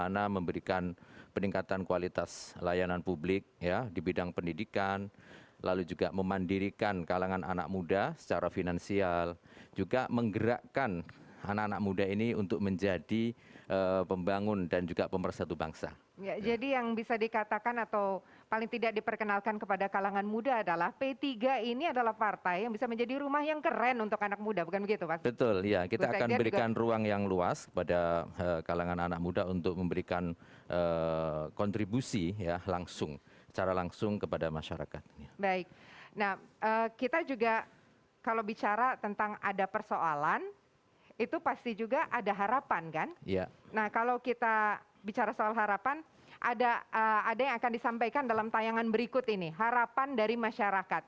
nah kalau kita bicara soal harapan ada yang akan disampaikan dalam tayangan berikut ini harapan dari masyarakat